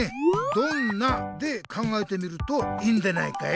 「どんな？」で考えてみるといいんでないかい？